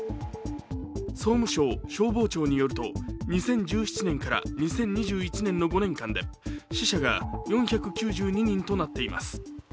総務省消防庁によると２０１７年から２０２１年の５年間で死者が４９２人となっています。